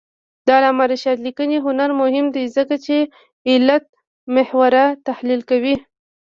د علامه رشاد لیکنی هنر مهم دی ځکه چې علتمحوره تحلیل کوي.